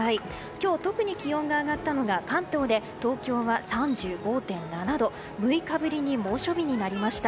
今日、特に気温が上がったのが東京は３５．７度と６日ぶりに猛暑日になりました。